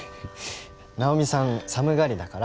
ナオミさん寒がりだから。